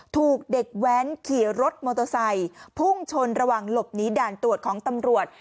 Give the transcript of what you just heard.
ถูกเด็กแว้นขี่รถมอเตอร์ไซค์พุ่งชนระหว่างหลบหนีด่านตรวจของตำรวจ